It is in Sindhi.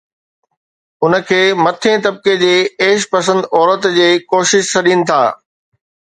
اُن کي مٿئين طبقي جي عيش پسند عورت جي ڪوشش سڏين ٿا